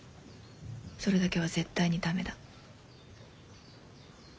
それだけは絶対にダメだ。